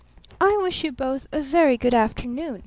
"I wish you both a very good afternoon!"